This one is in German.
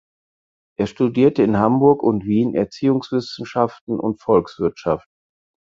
Er studierte in Hamburg und Wien Erziehungswissenschaften und Volkswirtschaft.